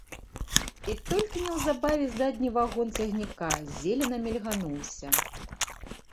І толькі неўзабаве задні вагон цягніка зелена мільгануўся.